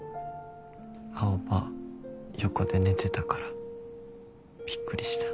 青羽横で寝てたからびっくりした。